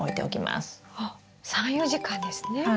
おっ３４時間ですね。